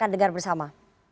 kita dengar bersama